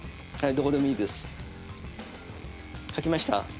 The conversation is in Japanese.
どこでもいいです書きました？